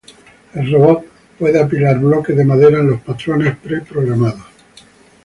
El robot puede apilar bloques de madera en los patrones pre-programados.